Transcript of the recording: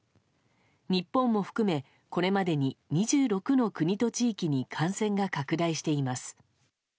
日本も含め、これまでに２６の国と地域に感染が拡大しています。